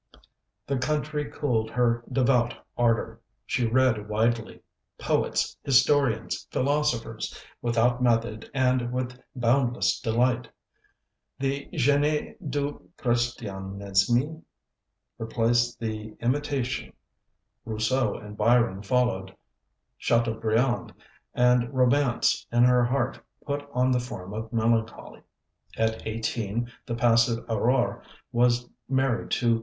The country cooled her devout ardour; she read widely, poets, historians, philosophers, without method and with boundless delight; the G├®nie du Christianisme replaced the Imitation; Rousseau and Byron followed Chateaubriand, and romance in her heart put on the form of melancholy. At eighteen the passive Aurore was married to M.